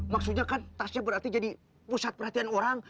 maksudnya kan tasnya berarti jadi pusat perhatian orang